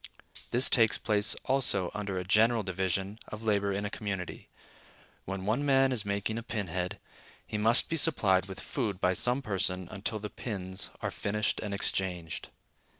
This takes place also under any general division of labor in a community. When one man is making a pin head, he must be supplied with food by some person until the pins are finished and exchanged.